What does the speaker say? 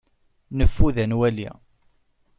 Neffud ad nwali.